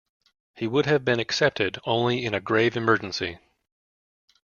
He would have been accepted only in a grave emergency.